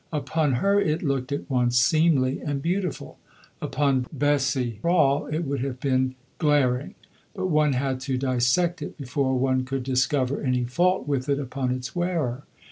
Upon her it looked at once seemly and beautiful. Upon Bessie Prawle it would have been glaring; but one had to dissect it before one could discover any fault with it upon its wearer.